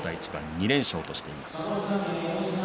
２連勝としています。